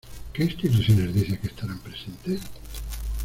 ¿Qué instituciones dices que estarán presentes?